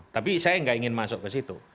tapi saya nggak ingin masuk ke situ